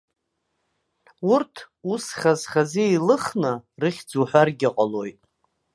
Урҭ, ус хаз-хазы еилыхны, рыхьӡ уҳәаргьы ҟалоит.